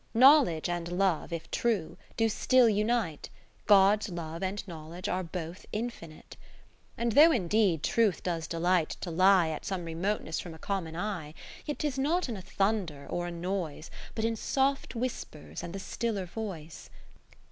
Knowledge and Love, if true, do still unite ; God's Love and Knowledge are both infinite. (54^ ) And though indeed Truth does delight to lie At some remoteness from a com mon eye ; Yet 'tis not in a thunder or a noise, But in soft whispers and the stiller Voice.